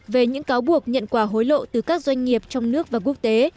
về những cáo buộc nhận quà hối lộ từ các doanh nghiệp trong nước và quốc tế